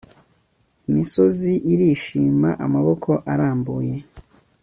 imisozi irishima amaboko arambuye